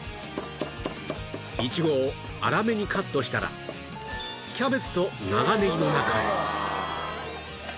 いちごを粗めにカットしたらキャベツと長ネギの中へ